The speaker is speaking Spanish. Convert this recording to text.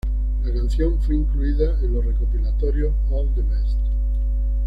La canción fue incluida en los recopilatorios "All the Best!